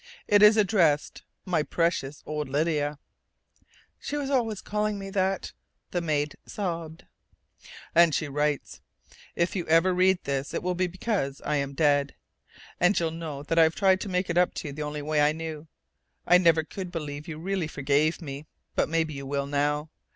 "It is addressed: 'My precious old Lydia' " "She was always calling me that!" the maid sobbed. "And she writes: 'If you ever read this it will be because I'm dead, and you'll know that I've tried to make it up to you the only way I knew. I never could believe you really forgave me, but maybe you will now.